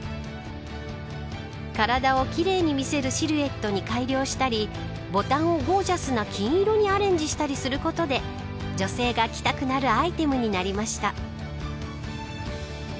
体を奇麗に見せるシルエットに改良したりボタンをゴージャスな金色にアレンジしたりすることで女性が着たくなるアイテムになりました。